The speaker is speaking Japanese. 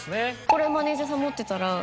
これをマネジャーさんが持ってたら。